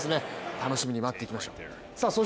楽しみに待っていきましょう。